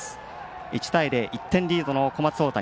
１対０、１点リードの小松大谷。